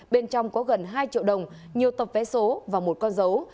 bên trong có gần hai triệu đồng nhiều tập vé số và một con dấu